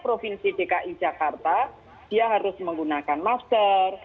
provinsi dki jakarta dia harus menggunakan masker